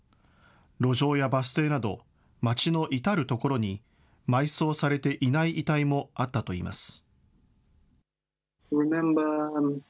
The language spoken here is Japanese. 路上やバス停など、町の至る所に埋葬されていない遺体もあったといいます。